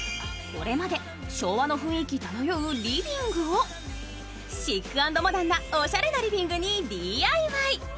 これまで昭和の雰囲気漂うリビングをシック＆モダンなおしゃれなリビングにＤＩＹ。